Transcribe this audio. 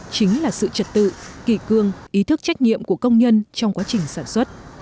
chính là sự trật tự kỳ cương ý thức trách nhiệm của công nhân trong quá trình sản xuất